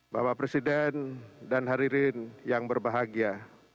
bapak presiden dan hadirin yang berbahagia